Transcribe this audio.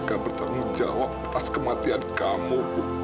mereka bertanggung jawab atas kematian kamu